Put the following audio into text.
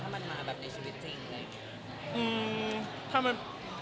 คือแฟนคลับเขามีเด็กเยอะด้วย